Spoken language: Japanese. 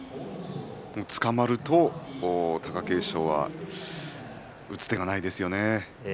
つかまると貴景勝は打つ手がないですよね。